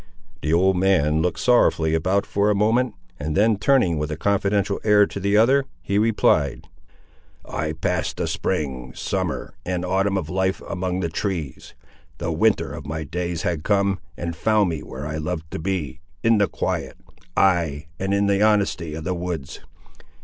The old man looked sorrowfully about for a moment, and then turning with a confidential air to the other, he replied— "I passed the spring, summer, and autumn of life among the trees. The winter of my days had come, and found me where I loved to be, in the quiet—ay, and in the honesty of the woods!